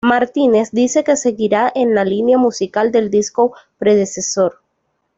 Martínez dice que seguirá en la línea musical del disco predecesor.